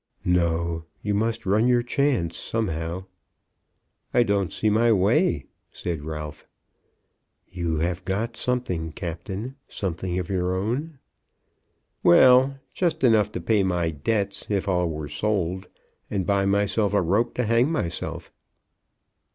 "No; you must run your chance, somehow." "I don't see my way," said Ralph. "You have got something, Captain; something of your own?" "Well; just enough to pay my debts, if all were sold, and buy myself a rope to hang myself."